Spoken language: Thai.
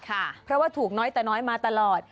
เพราะว่าถูกน้อยแต่น้อยมาตลอด